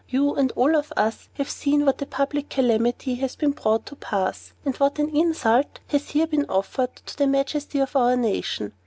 You and all of us have seen what a public calamity has been brought to pass, and what an insult has here been offered to the majesty of our nation.